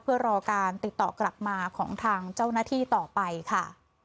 เพื่อรอการติดต่อกลับมาของทางเจ้าหน้าที่ต่อไปค่ะ